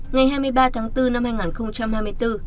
ngày hai mươi ba tháng bốn năm hai nghìn hai mươi bốn